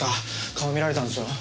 顔見られたんですよ？